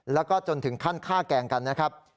แล้วก็จนถึงขั้นฆ่าแกล้งกันนะครับ